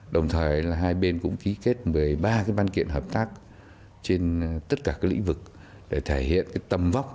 đồng thời hai bên cũng ký kết một mươi ba văn kiện hợp tác trên tất cả các lĩnh vực để thể hiện tầm vóc